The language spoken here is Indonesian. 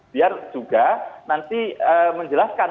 biar juga nanti menjelaskan